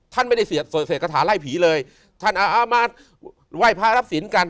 ท่านไม่ได้เสียกระถาไล่ผีเลยท่านเอามาไหว้พระรับศิลป์กัน